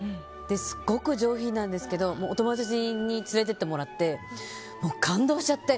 すごく上品なんですけどお友達に連れて行ってもらって感動しちゃって。